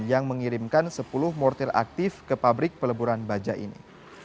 yang mengirimkan sepuluh mortir aktif ke pabrik peleburan baja ini